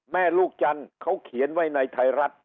แม่ลูกจันทร์เขาเขียนไว้ในไทยรัฐ